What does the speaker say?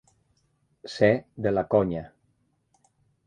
Ser de la conya.